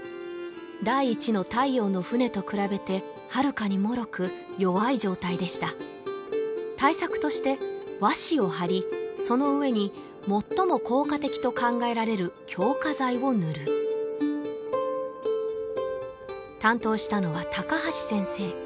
第一の太陽の船と比べてはるかにもろく弱い状態でした対策として和紙をはりその上に最も効果的と考えられる強化剤を塗る担当したのは高橋先生